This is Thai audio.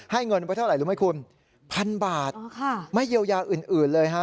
เงินไว้เท่าไหร่รู้ไหมคุณพันบาทไม่เยียวยาอื่นเลยฮะ